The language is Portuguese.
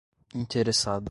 interessado